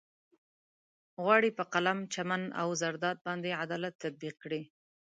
غواړي په قلم، چمن او زرداد باندې عدالت تطبيق کړي.